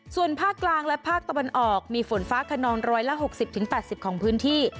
ส่วนภาคกลางและภาคตะวันออกมีฝนฟ้าขนอง๑๖๐๘๐ของพื้นที่